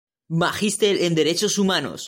Magíster en Derechos Humanos.